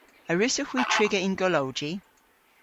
A wrussowgh hwi triga yn golowji?